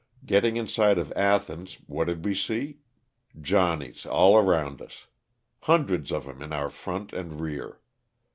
Getting in sight of Athens, what did we see? ''Johnnies" all around us. Hundreds of them in our front and rear.